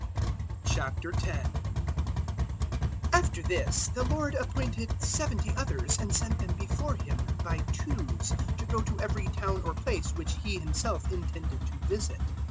010:001 After this the Lord appointed seventy others, and sent them before Him, by twos, to go to every town or place which He Himself intended to visit.